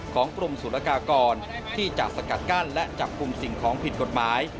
ของกรมศูนยากากรที่จะสกัดกั้นและจับกลุ่มสิ่งของผิดกฎหมาย